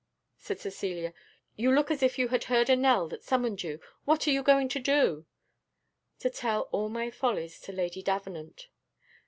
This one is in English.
said Cecilia; "you look as if you had heard a knell that summoned you what are you going to do?" "To tell all my follies to Lady Davenant."